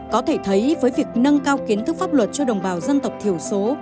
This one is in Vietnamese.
có thể thấy với việc nâng cao kiến thức pháp luật cho đồng bào dân tộc thiểu số